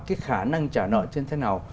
cái khả năng trả nợ như thế nào